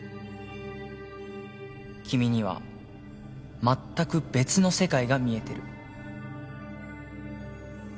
君にはまったく別の世界が見えてる。